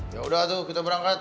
ya udah tuh kita berangkat